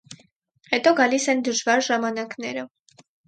Հետո գալիս են դժվար ժամանակները։